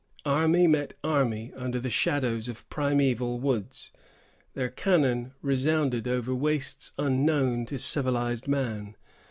Army met army under the shadows of primeval woods; their cannon resounded over wastes unknown to civilized man.